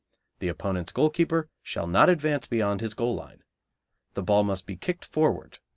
The opponents' goalkeeper shall not advance beyond his goal line. The ball must be kicked forward.